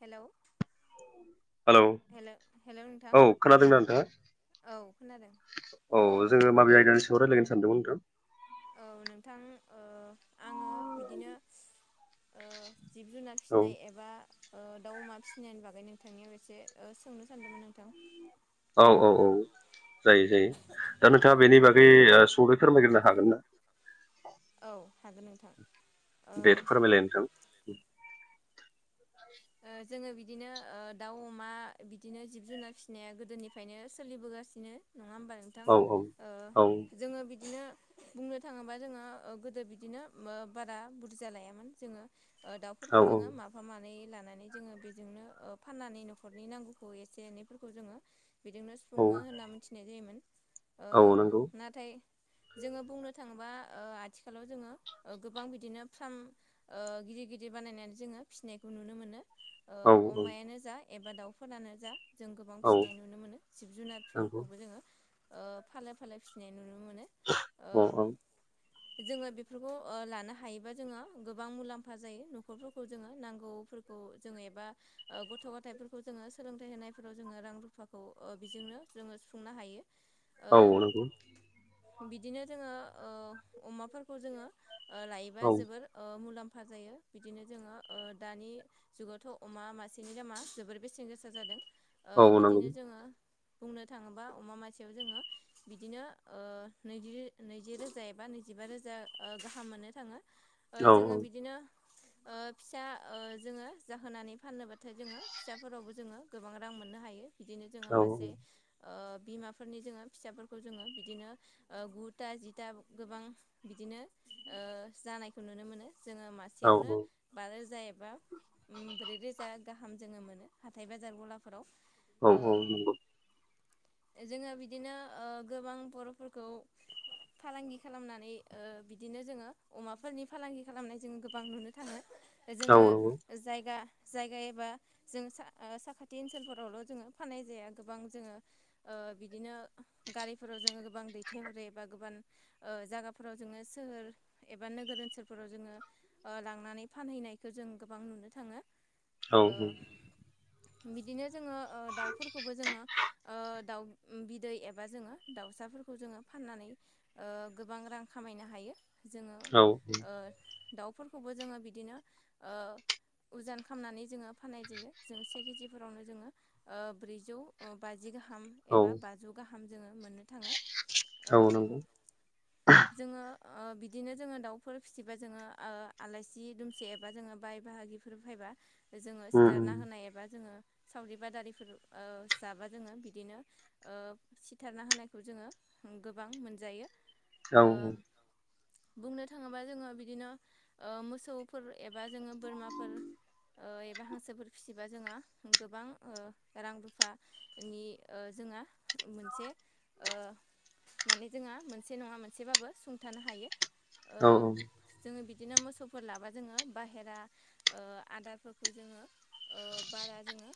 Hello hello hello hello नोंथां औ खोनादोंना नोंथाङा औ खोनादों औ ओ जोंङो माबे आयदानि सायाव रायलायगोन सानदोंमोन नोंथां औ नोंथां ओ आंङो बिदिनो ओ जिब जुनार औ फिसिनाय एबा ओ दाउ अमा फिसिनायनि बागै नोंथांनियाव एसे ओ सोंनो सानदोंमोन नोंथां औ औ औ जायो जायो दा नोंथाङा बेनि बागै ओ सुंद'यै फोरमायग्रोनो हागोन ना। औ हागोन नोंथां दे ओ फोरमायलाय नोंथां जोंङो बिदिनो ओ दाउ अमा बिदिनो जिब जुनार फिसिनाया गोदोनिफ्रायनो सोलिबोगासिनो नङा होमबा नोंथां औ औ ओ औ जोंङो बिदिनो बुंनो थाङोबा जोंङो ओ गोदो बिदिनो ओ बारा बुरजा लायामोन जोंङो ओ दाउफोरखौ औ जोंङो माफा मानै लानानै जोंङो बेजोंनो ओ फाननानै न'खरनि नांगौखौ एसे एनैफोरखौ जोंङो बिजोंनो औ सुफुङो होनना मिथिनाय जायोमोन ओ‌ औ नंगौ ना थाय जोंङो बुंनो थाङोबा ओ आथिखालाव जोंङो ओ गोबां बिदिनो फार्म ओ गिदिर गिदिर बानायनानै जोंङो फिसिनाय खौ नुनो मोनो ओ औ औ अमायानो जा एबा दाउफोरानो जा जों गोबां औ फिसिनाय नुनो मोनो जिब नंगौ जुनारफोरखौबो जोंङो ओ फालो फालो फिसिनाय नुनो मोनो औ औ ओ जोंङो बेफोरखौ ओ लानो हायोबा जोंङो गोबां मुलाम्फा जायो न'खरफोरखौ जोंङो नां गौफोरखौ जोंङो एबा ओ गथ' गथायइफोरखौ जोंङो सोलोंथाइ होनायफोराव जोंङो रां रुफाखौ ओ बिजोंनो जोंङो सुफुंनो हायो। ओ औ नंगौ बिदिनो जोंङो ओ अमाफोरखौ जोंङो ओ लायोबा औ जोबोर ओ मुलाम्फा जायो बिदिनो जोंङो ओ दानि जुगावथ' अमा मासेनि दामा जोबोर बेसेन गोसा जादों। ओ औ नंगौ बिदिनो जोंङो बुंनो थाङोबा अमा मासेयाव जोंङो बिदिनो ओ नैजि रो नैजि रोजा एबा नैजिबा रोजा गाहाम मोननो थाङो ओ औ जोंङो बिदिनो ओ‌ फिसा ओ जोंङो जाहोनानै फाननोबाथाय जोंङो फिसाफोरावबो जोंङो गोबां रां मोननो हायो। बिदिनो औ जोंङो मासे बिमाफोरनि जोंङो फिसाफोरखौ जोंङो बिदिनो गुथा जिथा गोबां बिदिनो जानायखौ नुनो मोनो जोंङो मा औ सेयावनो बारोजा ए बा ब्रै रोजा गाहाम जोंङो मोनो हाथाय बाजार गलाफोराव नंगौ औ नंगौ औ ओ जोंङो बिदिनो गोबां बर'फोरखौ फालांगि खालामनानै बिदिनो जोंङो अमाफोरनि फालांगि खालामनाय जोंङो गोबां नुनो थाङो जोंङो जायगा जायगा एबा जों सा-साखाथि ओनसोलफोरावल' जोंङो फाननाय जाया गोबां जोंङो ओ बिदिनो गारिफोराव जोंङो गोबां दैथायहरो एबा गोबां ओ जायगाफोराव जोङो सोहोर एबा नोगोर ओनसोलफोराव जोङो लांनानै फानहैनायखौ जों गोबां नुनो थाङो ओ बिदिनो जोङो दाउफोरखौबो जोङो ओ दाउ बिदै एबा जोङो दाउसाफोरखौ जोङो फाननानै गोबां रां खामायनो हायो। जोङो ओ दाउफोरखौबो जोङो बिदिनो ओ उजान खालामामनानै जोङो फाननाय जायो जों से केजिफोरावनो जोङो ओ ब्रैजौ बाजि गाहाम एबा औ बाजौ गाहाम जोङो मोननो थाङो। औ ओ नंगौ जोङो ओ बिदिनो जोङो दाउफोर फिसिबा जोङो आलाइसि दुमसे एबा जोङो बाय बाहागिफोर फैबा जोङो उम सिथारना होनाय एबा जोङो सावरि बादारिफोर ओ जाबा जोङो बिदिनो ओ सिथारना होनायखौ जोङो गोबां मोनजायो। ओ उम बुंनो थाङोबा जोङो बिदिनो ओ मोसौफोर एबा जोङो बोरमाफोर एबा हांसोफोर फिसिबा जोंहा गोबां रां रुफा नि जोंहा मोनसे ओ माने जोंहा मोनसे नङा मोनसेबाबो सुंथानो हायो। औ ओ जोङो बिदिनो मोसौफोर लाबा जोङो बाहेरा आदारफोरखौ जोङो ओ बारा जोङो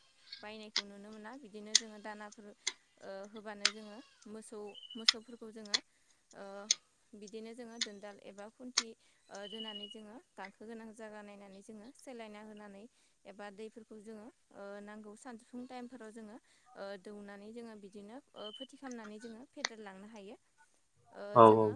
बायनायखौ नुनो मोना बिदिनो जोङो दानाफोर ओ होबानो जोङो मोसौ मोसौफोरखौ जोङो ओ बिदिनो जोङो दोनदाल एबा खुन्थि दोननानै जोङो गांखोगोनां जायगा नायनानै जोङो सोलायना होनानै एबा दैफोरखौ जोङो नांगौ सानजफुं टाइमफोराव जोङो ओ दौनानै जोङो बिदिनो फोथि खालामनानै जोङो फेदेरलांनो हायो। औ जोङो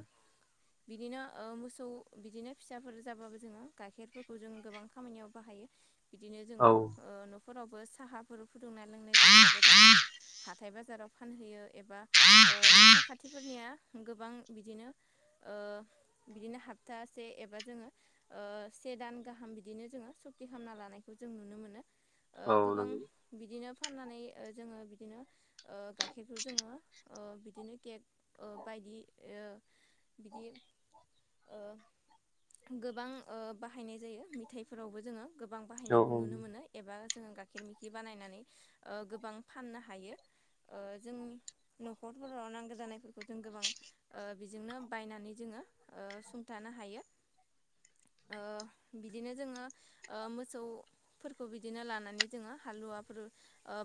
बिदिनो मोसौ बिदिनो फिसाफोर जाबाबो जोङो गाइखेरफोरखौ जों गोबां खामानियाव बाहायो बिदिनो जोङो औ ओ फोरावबो साहा बुरु फुदुंना लोंनाय जायो एबा जोङो हाथाय बाजाराव फानहैयो एबा ओ न' साखाथिफोरनिया गोबां बिदिनो ओ बिदिनो हप्थासे एबा जोङो ओ से दान गाहाम बिदिनो जोङो सुक्ति खालामना लानायखौ जों नुनो मोनो ओ औ गोबां नंगौ बिदिनो फाननानै जोङो बिदिनो ओ गाइखेरखौ जोङो ओ बिदिनो केक ओ बायदि बिदि ओ गोबां ओ बाहायनाय जायो मेथाइफोरावबो जोङो गोबां औ बाहायनायखौ नुनो मोनो। एबा जोङो गाइखेर मखि बानायनानै गोबां फाननो हायो। ओ जोंनि न'खरफोराव नांगौ जानायफोरखौ जों गोबां ओ बेजोंनो बायनानै जोङो सुंथानो हायो। ओ बिदिनो जोङो ओ मोसौ फोरखौ बिदिनो लानानै जोङो हालुवाफोर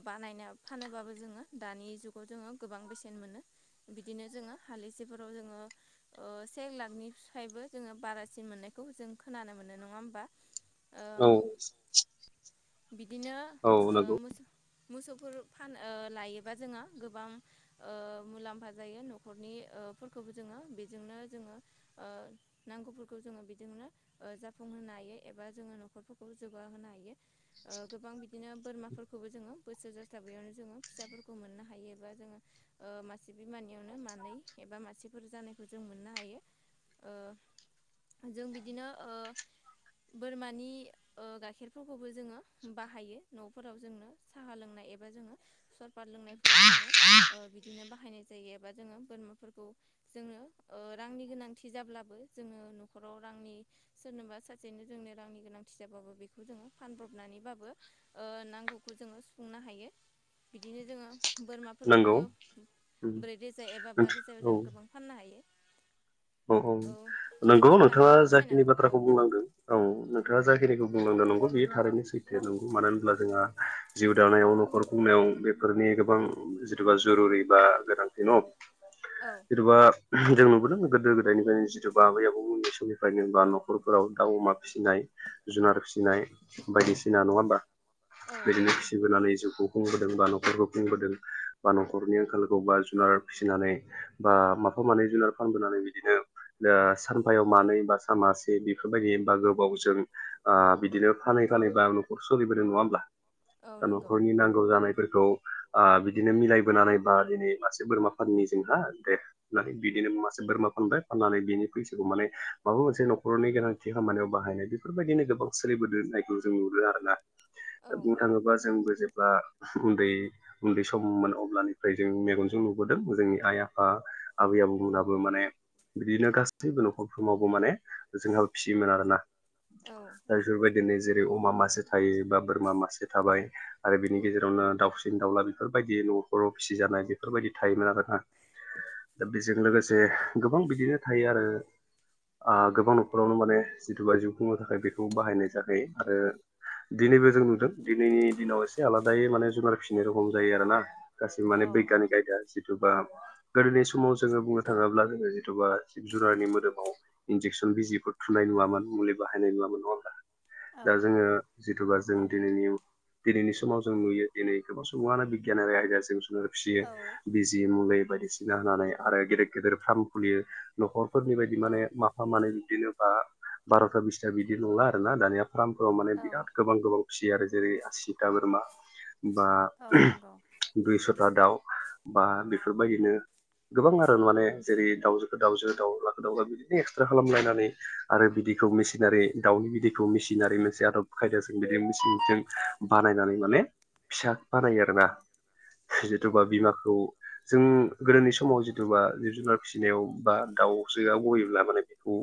बानायनो फानोब्लाो जोङो दानि जुगाव जोङो गोबां बेसेन मोनो। बिदिनो जोङो हासेफोराव जोङो से लाखनिफ्रायबो जोङो बारासिन मोननायखौ जों खोनानो मोनो नङा होमबा ओ औ बिदिनो औ ओ नंगौ मोसौ मोसौफोर फानो ओ लायोबा जोङो गोबां ओ मुलाम्फा जायो न'खरनिफोरखौबो जोङो बेजोंनो जोङो ओ नांगौफोरखौ जोङो बिजोंनो जाफुंहोनो हायो एबा जोङो न'खरफोरखौ जौगाहोनो हायो‌। ओ गोबां बिदिनो बोरमाफोरखौबो जोङो बोसोर जास्लाबैयावनो जोङो फिसाफोरखौ मोननो हायोबा जोङो ओ मासे बिमानियावनो मानै एबा मासेफोर जानायखौ जों मोननो हायो ओ जों बिदिनो ओ बोरमानि ओ गाइखेरफोरखौबो जोङो बाहायो न'फोराव जोंनो साहा लोंनाय एबा जोङो सरपा लोंनायफोराव जोङो ओ बिदिनो बाहायनाय जायो एबा जोङो बोरमाफोरखौ जोङो ओ रांनि गोनांथि जाब्लाबो जोङो न'खराव रांनि सोरनोबा सासेनो जोंनो रांनि गोनांथि जाबाबो बेखौ जोङो फानब्रबनानैबाबो ओ नांगौखौ जोङो सुफुंनो हायो बिदिनो जोङो नंगौ बोरमाफोरखौबो उम ब्रै रोजा एबा बा नोंथां रोजायाव औ जों गोबां फाननो हायो औ औ नंगौ नोंथाङा नोंथाङाबो फोरमायनो जाखिनि हागोन बाथ्रा औ बुंलांदों औ नोंथाङा जाखिनिखौ बुंलांनो नंगौ बेयो थारैनो सैथो नंगौ मानो होनब्ला जोंहा जिउ दानायाव न'खर खुंनायाव बेफोरनि गोबां जथ'बा जुरुरि बा गोनांथि न' औ जेन'बा जों नुबोदों गोदो गोदायनिफ्रायनो जथुबा आबै आबौ उन्दै समनिफ्रायनो बा न' खरफोराव दाउ अमा फिसिनाय जुनार फिसिनाय बायदिसिना नङा होमबा औ बिदिनो नंगौ फिसिबोनानै जिउखौ खुंबोदों बा न'खरखौ खुंबोदों बा न'खरनि आंखालखौ बा जुनार फिसिनानै बा माफा मानै जुनार फानबोनानै बिदिनो ओ सानफायाव मानै बा सामासे बेफोरबायदि बा गोबावजों ओ बिदिनो फानै फानै बा न'खर सोलिबोदों नङा होमब्ला? औ दा नंगौ न'खरनि नांगौ जानायफोरखौ आ बिदिनो मिलायबोनानै बा दिनै मासे बोरमा फाननि जोंहा दे बिदिनो मासे बोरमा फानबाय फाननानै बिनि फैसाखौ माने माबा मोनसे न'खरनि गोनांथि खामानियाव बाहायनाय। बेफोरबायदिनो गोबां सोलिबोदों होननायखौ जों नुदों आरोना दा औ बुंनो थाङोबा जोंबो जे बा उन्दै उन्दै सममोन अब्लानिफ्राय जों मेगनजों नुबोदों जोंनि आइ आफा आबै आबौमोनाबो माने बिदिनो गासै बो न'खरफ्रावबो माने जुनार फिसियोमोन आरोना औ नंगौ औ दा बेफोरबायदिनो जेरै अमा मासे थायो बा बोरमा मासे थाबाय आरो बिनि गेजेरावनो दाउसिन दाउला बेफोरबायदि न'खराव फिसिजानाय बे बेफोरबायदि थायोमोन आरोना दा बेजों लोगोसे गोबां बिदिनो थायो आरो आ गोबां न'खरावनो माने जिथुबा जिउ खुंनो थाखाय बेखौ बाहायनाय जाखायो आरो दिनैबो जों नुदों दिनैनि दिनाव एसे आलादायै माने जुनार फिसिनाय रखम जायो आरो ना गासै माने बैग्यानिक आयदा जिथुबा गोदोनि समाव जोङो बुंनो थाङोब्ला बे जिथुबा जिब जुनारनि मोदोमाव इन्जेकसन बिजिफोर थुनाय नुवामोन मुलि बाहायनाय नुवामोन नङा ओमब्ला दा जोङो जिथुबा जों दिनैनि दिनैनि समाव जों नुयो दिनै गोबां समुङानो बिगियानारि आयदा जों जु फिसियो बिजि मुलि बायदिसिना होनानै आरो गेदेर गेदेर फार्म खुलियो। न'खरफोरनि बायदि माने माफा मानै बिदिनो बा बार'था बिसथा बिदि नंला आरोना दानिया। फार्मफोराव माने बिराद गोबां गोबां फिसियो आरो जेरै आसिता बोरमा। बा दुइस'था दाउ बा बेफोरबायदिनो गोबां आरो माने जेरै दाउजोखौ दावउजो दाउलाखो दा बिदिनो एक्सट्रे खालामलायनानै आरो बिदिखौ मेसिनारि दाउनि बिदैखौ मेसिनारि मोनसे आदब खायदाजों बिदि मेसिनजों बानायनानै माने फिसा बानायो आरोना जिथुबा बिमाखौ जों गोदोनि समाव जिथुबा जिब जुनार फिसिनायाव बा दाउजोआ गयोब्ला माने बेखौ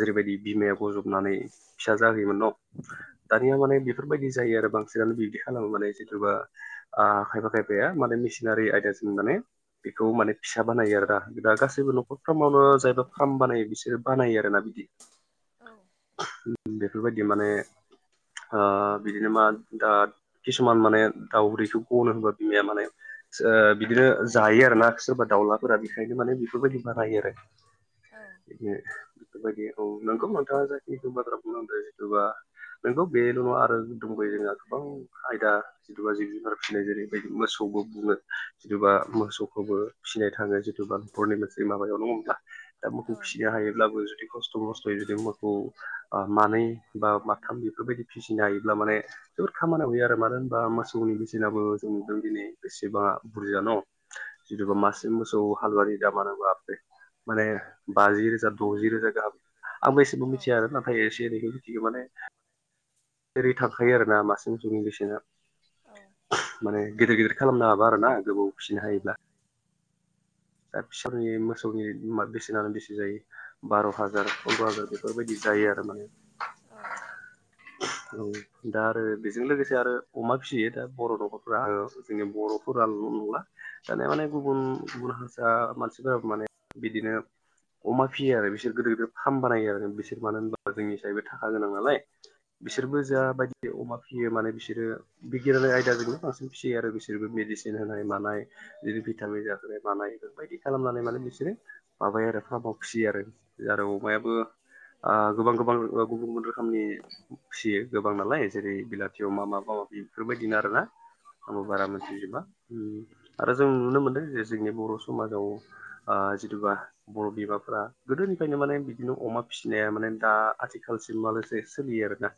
जेरैबायदि बिमाया बजबनानै फिसा जाहोयोमोन न' दानिया माने बेफोरबायदि जायो आरो बांसिनानो बिब्दि खालामो माने जेन'बा आ खायफा खायफाया माने मिसिनारि आयदाजों माने बेखौ माने फिसा बानायो आरोना दा गासै सैबो न'खरफ्रामावनो जायबा फ्राम बानायो बिसोरो बानायो आरोना बिदि। बेफोरबायदि माने ओ बिदिनो मा ओ किसुमान माने दाउरैखौ ग'नो होनबा बिमाया माने ओ बिदिनो जायो आरो ना सोरबा दाउलाफोरा बेखायनो माने बेफोरबायदि बानायो आरो। औ बे बेफोरबायदि औ नोंगौ नोंथाङा जाहाथेथु बाथ्रा बुंलांदो जिथुबा नोंगौ बेल' नङा आरो दंबोयो जोंहा गोबां आयदा जिथुबा जिब जुनार फिसिनाय जेरैबायदि मोसौबो बुङो जथुबा मोसौखौबो फिसिनाय थाङो जिथुबा हरनि [unintelligible] माबायाव दङोब्ला दा औ मोखौ फिसिनो हायोब्लाबो जुदि खस्थ' मस्थ'यै जुदि मोखौ ओ मानै बा माथाम इफोरबायदि फिसिनो हायोब्ला माने जोबोद खामानियाव होयो आरो मानो होनबा मोसौनि बेसेनाबो जों नुदों दिनै बेसेबां बुरजा न'? जिथुबा मासे मोसौ हालुवानि [unintelligible] माने बाजि रोजा द'जि रोजा गाहाम आंबो एसेबां औ औ मिथिया आरो [unintelligible] एसे एनैखो मिथिगो माने बेबायदि थाखायो आरोना मासे मोसौनि बेसेना माने गेदेर गेदेर खालाम नाङाबा आरोना। गोबाव फिसिनो हायोब्ला। दा फिसौनि मोसौनि माद बेसेनानो बेसे जायो बार' हाजार पन्द्र' हाजार बेफोरबायदि जायो आरो माने। औ ओं दा आरो बेजों लोगोसे आरो अमा फिसियो दा बर' न'खरफोरा औ। जोंनि बर'फोराल' नङा दानिया माने गुबुन गुबुन ओ मानसिफोराबो माने बिदिनो अमा फियो आरो बिसोर गोदोर गो फार्म बानायो आरो बिसोर मानो होनबा जोंनिसायबो थाखा गोनां नालाय। बिसोरबो जाबायदि अमा फियो माने बिसोरो बिगियानारि आयदाजोंबो बांसिन फियो आरो बिसोरबो मेडिसिन होनाय मानाय दिनो भिटामिन जाहोनाय मानाय बायदि खालामनानै माने बिसोरो माबायो आरो फाव फाव फियो आरो आरो अमायाबो ओ गोबां गोबां ओ गुबुंगोद रोखोमनि फिसियो गोबां नालाय जेरै बिलाथि अमा माबा माबि बेफोरबायदिनो आरोना। आंबो बारा मिथिजोबा उम आरो जों नुनो मोनदों जे जोंनि बर' समाजाव ओ जिथुबा बर' बिमाफोरा गोदोनिफायनो माने बिदिनो अमा फिसिनाया माने दा आथिखालसिम माखासे सोलियो आरोना।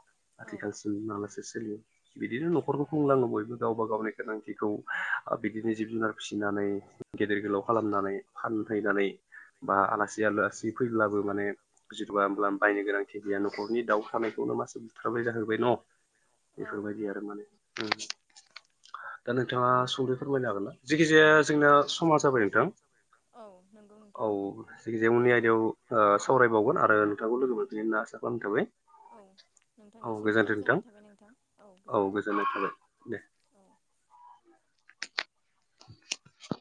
ज आथिखालसिम मालासे सोलियो। बिदिनो न'खरखौ खुंलाङो बयबो गावबा गावनि गोनांथिखौ ओ बिदिनो जिब जुनार फिसिनानै गेदेर गोलाव खालामनानै फान फैनानै बा आलासि आलासि फैब्लाबो माने जेन'बा होमब्ला बायनो गोनांथि गैया न'खरनि दाउ थानायखौनो मासे बुथारबाय जाहोबाय न'। बेफोरबादि आरो आरो माने। उम दा नोंथाङा सुंदयै फोरमायनो हागोन ना जेखि जाया जोंनाया समा जाबाय नोंथां नंगौ नोंथां औ जेखि जाया ओ उननि आयदायाव ओ सावरायबावगोन आरो नोंथांखौ लोगो मोनफिनगोन होनना आसा खालामनाय थाबाय। औ औ नोंथांनिसिमबो गोजोन्थों नोंथां गोजोननाय थाबाय नोंथां औ गोजोन्थों गोजोननाय थाबाय दे। औ